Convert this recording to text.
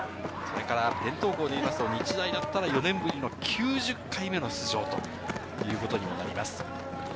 伝統校でいいますと、日大だったら４年ぶりの９０回目の出場ということにもなります。